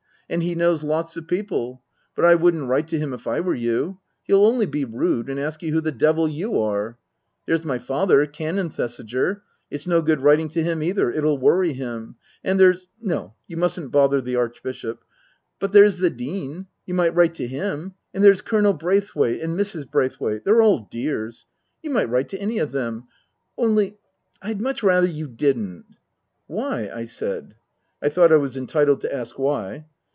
" And he knows lots of people. But I wouldn't write to him if I were you. He'll only be rude, and ask you who the devil you are. There's my father, Canon Thesiger. It's no good writing to him either. It'll worry him. And there's no, you mustn't bother the Archbishop. But there's the Dean. You might write to him! And there's Colonel Braithwaite and Mrs. Braithwaite. They're all dears. You might write to any of them. Only I'd much rather you didn't." " Why ?" I said. I thought I was entitled to ask why.